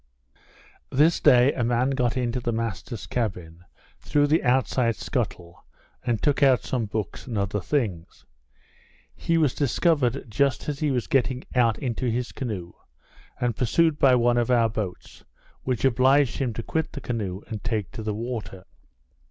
This day, a man got into the master's cabin, through the outside scuttle, and took out some books and other things. He was discovered just as he was getting out into his canoe, and pursued by one of our boats, which obliged him to quit the canoe and take to the water.